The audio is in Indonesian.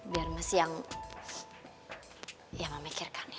biar masih yang memikirkan ya